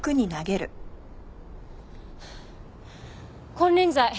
金輪際